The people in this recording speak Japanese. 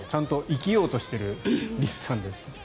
生きようとしているリスさんです。